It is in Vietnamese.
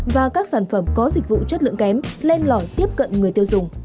và các sản phẩm có dịch vụ chất lượng kém lên lò tiếp cận người tiêu dùng